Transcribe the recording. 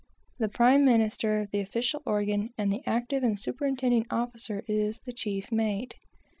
The prime minister, the official organ, and the active and superintending officer, is the chief mate.